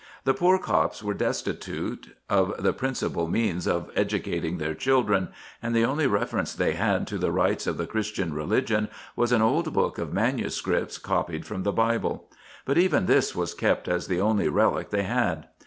The poor Copts were destitute of the principal means of educating their children ; and the only reference they had to the rites of the Christian religion was an old book of manuscripts, copied from the Bible : but even this was kept as the only relic they had.